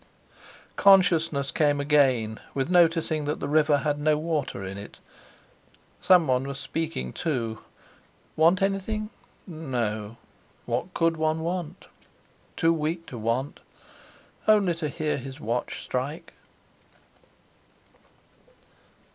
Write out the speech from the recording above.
Consciousness came again with noticing that the river had no water in it—someone was speaking too. Want anything? No. What could one want? Too weak to want—only to hear his watch strike....